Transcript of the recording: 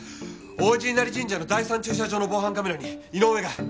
王子稲荷神社の第三駐車場の防犯カメラに井上が。